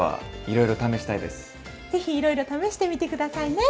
ぜひいろいろ試してみて下さいね。